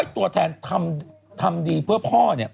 ๑๐๐ตัวแทนทำดีเพื่อพ่อ